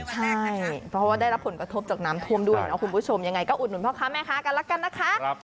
ใช่ค่ะเพราะว่าได้รับผลกระทบจากน้ำท่วมด้วยนะคุณผู้ชมยังไงก็อุดหนุนพ่อค้าแม่ค้ากันแล้วกันนะคะ